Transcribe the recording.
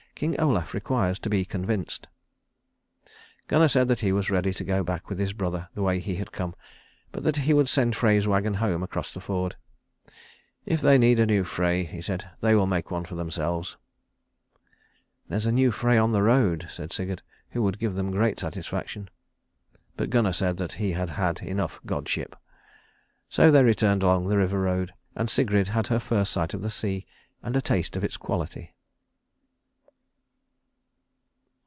"King Olaf requires to be convinced." Gunnar said that he was ready to go back with his brother the way he had come, but that he would send Frey's wagon home across the ford. "If they need a new Frey," he said, "they will make one for themselves." "There's a new Frey on the road," said Sigurd, "who would give them great satisfaction," but Gunnar said that he had had enough godship. So they returned along the river road, and Sigrid had her first sight of the sea, and a taste of its quality.